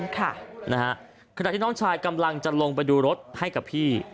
ขณะที่น้องชายกำลังจะลงไปดูรถให้กับพี่